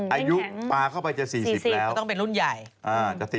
อายุปลาเข้าไปจะ๔๐แล้วก็ต้องเป็นรุ่นใหญ่